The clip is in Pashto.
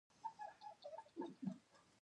هغه د بنګله دیش ملي سرود هم لیکلی.